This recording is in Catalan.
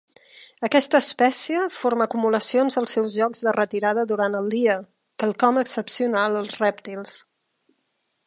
Aquesta espècie forma acumulacions als seus llocs de retirada durant el dia, quelcom excepcional als rèptils.